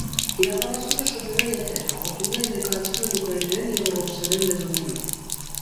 Իրականացնում է շուրջօրյա եթեր, հաղորդումները ներկայացվում են ուկրաիներեն և ռուսերեն լեզուներով։